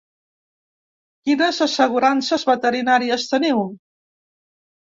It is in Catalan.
Quines assegurances veterinàries teniu?